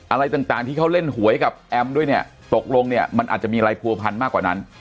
อะไรต่างที่เขาเล่นหวยกับแอมด้วยเนี่ยตกลงเนี่ยมันอาจจะมีอะไรผัวพันมากกว่านั้น